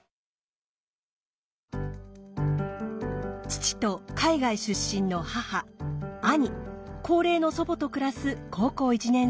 父と海外出身の母兄高齢の祖母と暮らす高校１年生。